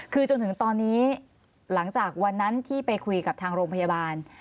คือจนถึงตอนนี้หลังจากวันนั้นที่ไปคุยกับทางโรงพยาบาล